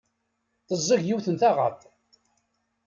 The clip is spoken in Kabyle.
Teẓẓeg yiwet n taɣaḍt.